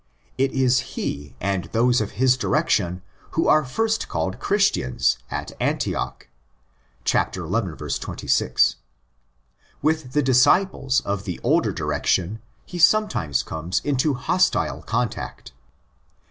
It is he and those of his direction who are first called '' Christians"' at Antioch (xi. 26). With the '' disciples' of the older direction he some times comes into hostile contact.